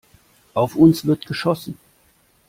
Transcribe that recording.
Auf uns wird geschossen!